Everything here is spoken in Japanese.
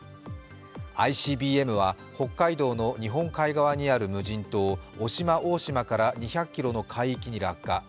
ＩＣＢＭは北海道の日本海側にある無人島・渡島大島の海域から２００ｋｍの海域に落下。